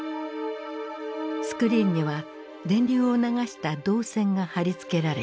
スクリーンには電流を流した導線が貼り付けられていた。